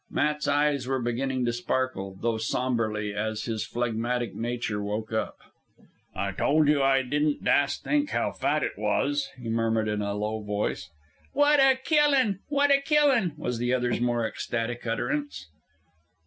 Matt's eyes were beginning to sparkle, though sombrely, as his phlegmatic nature woke up. "I told you I didn't dast think how fat it was," he murmured in a low voice. "What a killin'! What a killin'!" was the other's more ecstatic utterance.